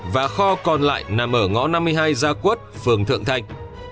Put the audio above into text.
và kho còn lại nằm ở ngõ năm mươi hai gia quất phường thượng thành